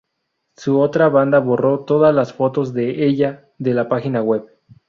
Su otra banda borró todas las fotos de ella de la página web.